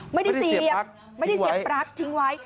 ไม่ได้เสียบปลั๊กทิ้งไว้ไม่ได้เสียบปลั๊กทิ้งไว้